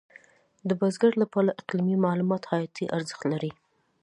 د بزګر لپاره اقلیمي معلومات حیاتي ارزښت لري.